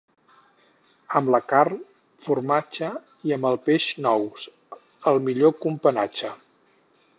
Amb la carn, formatge, i amb el peix, nous, el millor companatge.